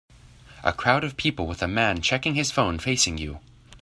A crowd of people, with a man checking his phone facing you.